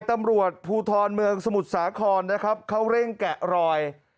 ตำรวจภูทรเมืองสมุทรสาครนะครับเขาเร่งแกะรอย